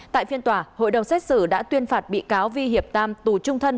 tại phiên tòa hội đồng xét xử đã tuyên phạt bị cáo vi hiệp tam tù trung thân